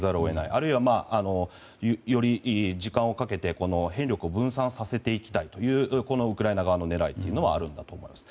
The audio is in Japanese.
あるいは、より時間をかけて兵力を分散させたいというこのウクライナ側の狙いがあると思います。